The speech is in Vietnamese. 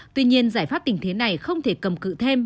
tuy nhiên giải pháp tình thế này không thể cầm cự thêm